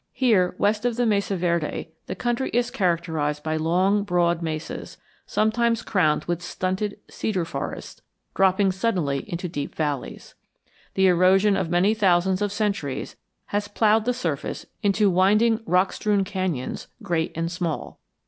Here, west of the Mesa Verde, the country is characterized by long, broad mesas, sometimes crowned with stunted cedar forests, dropping suddenly into deep valleys. The erosion of many thousands of centuries has ploughed the surface into winding rock strewn canyons, great and small.